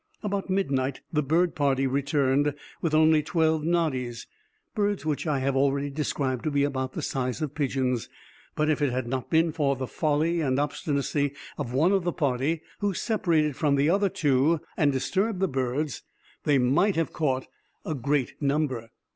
About midnight the bird party returned, with only twelve noddies, birds which I have already described to be about the size of pigeons; but if it had not been for the folly and obstinacy of one of the party, who separated from the other two, and disturbed the birds, they might have caught a great number.